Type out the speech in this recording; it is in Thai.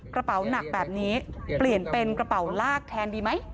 กระเป๋าหนักแบบนี้เปลี่ยนเป็นกระเป๋าลากแทนดีไหม